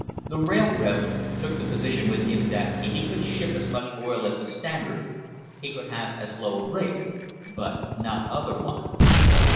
The railroad took the position with him that if he could ship as much oil as the Standard he could have as low a rate, but not otherwise.